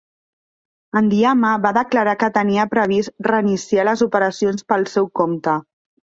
Endiama va declarar que tenia previst reiniciar les operacions pel seu compte.